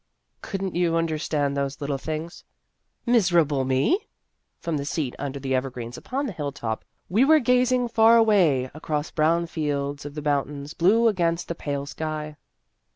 " Could n't you understand those little things?" " Miserable me !" From the seat un der the evergreens upon the hilltop, we were gazing far away across brown fields to the mountains blue against the pale sky.